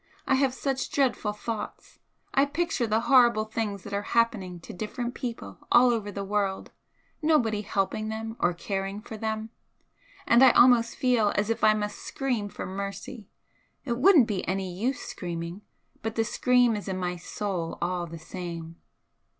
I have such dreadful thoughts! I picture the horrible things that are happening to different people all over the world, nobody helping them or caring for them, and I almost feel as if I must scream for mercy. It wouldn't be any use screaming, but the scream is in my soul all the same.